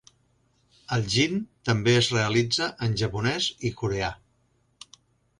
El Jin també es realitza en japonès i coreà.